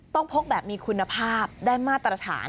พกแบบมีคุณภาพได้มาตรฐาน